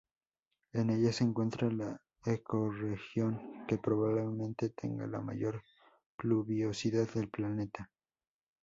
En ella se encuentra la ecorregión que probablemente tenga la mayor pluviosidad del planeta.